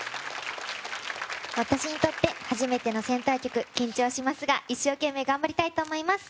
私にとって初めてのセンター曲緊張しますが、一生懸命頑張りたいと思います！